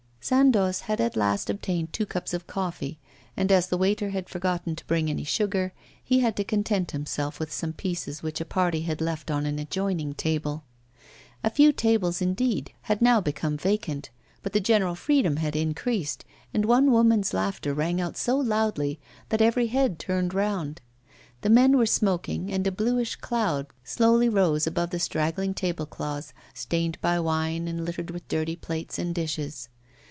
Sandoz had at last obtained two cups of coffee, and as the waiter had forgotten to bring any sugar, he had to content himself with some pieces which a party had left on an adjoining table. A few tables, indeed, had now become vacant, but the general freedom had increased, and one woman's laughter rang out so loudly that every head turned round. The men were smoking, and a bluish cloud slowly rose above the straggling tablecloths, stained by wine and littered with dirty plates and dishes.